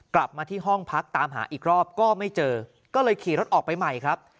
กลับมาที่ห้องพักตามหาอีกรอบก็ไม่เจอก็เลยขี่รถออกไปใหม่ครับ